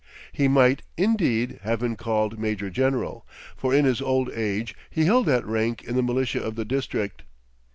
He might, indeed, have been called major general, for in his old age he held that rank in the militia of the district.